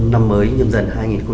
năm mới nhân dân hai nghìn hai mươi hai